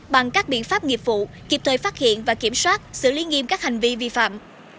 bằng các biện pháp nghiệp vụ kịp thời phát hiện và kiểm soát xử lý nghiêm các hành vi vi phạm